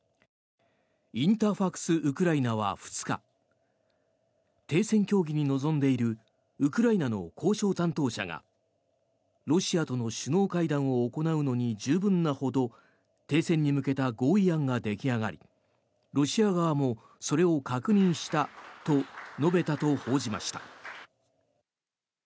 インタファクス・ウクライナは２日停戦協議に臨んでいるウクライナの交渉担当者がロシアとの首脳会談を行うのに十分なほど停戦に向けた合意案が出来上がりロシア側もそれを確認したと述べたと報じました。